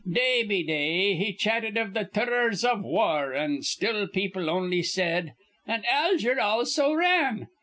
Day be day he chatted iv th' turrors iv war, an' still people on'y said: 'An' Alger also r ran.'